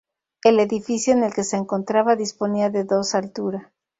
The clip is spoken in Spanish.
El edificio en el que se encontraba, disponía de dos altura.